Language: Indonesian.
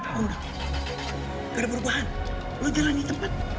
aku bukan salah kamu